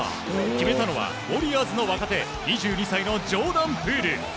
決めたのはウォリアーズの若手２２歳のジョーダン・プール。